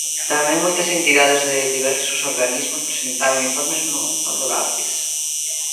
Tamén moitas entidades de diversos organismos presentaron informes non favorables.